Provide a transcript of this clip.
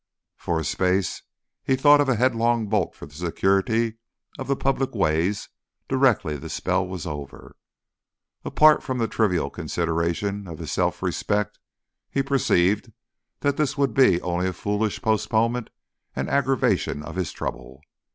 For a space he thought of a headlong bolt for the security of the public ways directly the spell was over. Apart from the trivial consideration of his self respect, he perceived that this would be only a foolish postponement and aggravation of his trouble.